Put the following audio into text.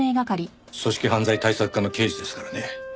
組織犯罪対策課の刑事ですからね。